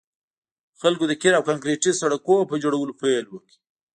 خلکو د قیر او کانکریټي سړکونو په جوړولو پیل وکړ